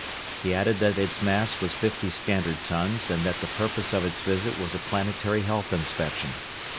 He added that its mass was fifty standard tons and that the purpose of its visit was a planetary health inspection.